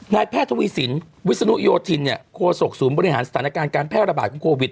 แพทย์ทวีสินวิศนุโยธินโคศกศูนย์บริหารสถานการณ์การแพร่ระบาดของโควิด